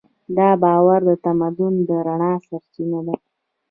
دا باور د تمدن د رڼا سرچینه ده.